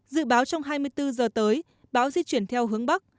dự báo trong hai mươi bốn giờ tới bão di chuyển theo hướng bắc